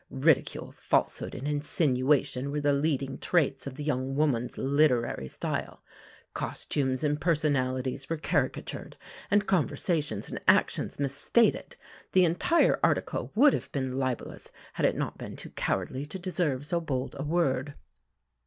Ridicule, falsehood, and insinuation were the leading traits of the young woman's literary style. Costumes and personalities were caricatured, and conversations and actions misstated. The entire article would have been libelous, had it not been too cowardly to deserve so bold a word.